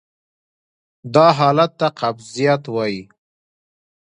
دا حالت ته قبضیت وایې.